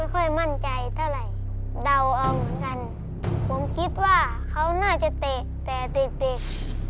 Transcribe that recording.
ผมคิดว่าเขาน่าจะเตะแต่เตะแบบ